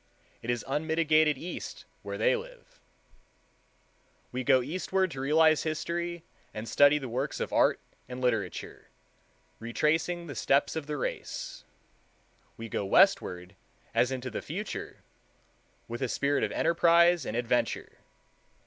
It is unmitigated East where they live. We go eastward to realize history and study the works of art and literature, retracing the steps of the race; we go westward as into the future, with a spirit of enterprise and adventure.